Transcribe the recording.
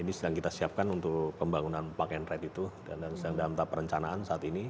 ini sedang kita siapkan untuk pembangunan park and ride itu dan sedang dalam tahap perencanaan saat ini